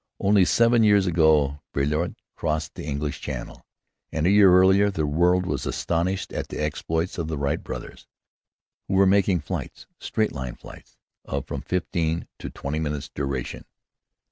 Only seven years ago Blériot crossed the English Channel, and a year earlier the world was astonished at the exploits of the Wright brothers, who were making flights, straight line flights, of from fifteen to twenty minutes' duration!